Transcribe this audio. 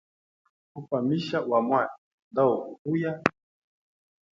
Ufamisha wa mwanda ndauguvuya.